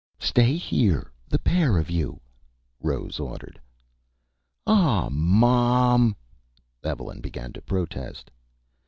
"Stay here, the pair of you!" Rose ordered. "Aw Mom " Evelyn began to protest.